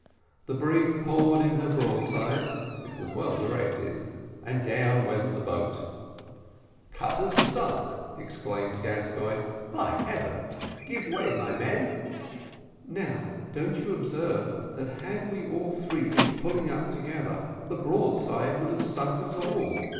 The brig poured in her broadside it was well directed, and down went the boat. "Cutter's sunk," exclaimed Gascoigne, "by heavens! Give way, my men." "Now, don't you observe, that had we all three been pulling up together, the broadside would have sunk us all?"